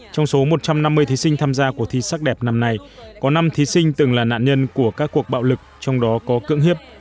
trong số một trăm năm mươi thí sinh tham gia cuộc thi sắc đẹp năm nay có năm thí sinh từng là nạn nhân của các cuộc bạo lực trong đó có cưỡng hiếp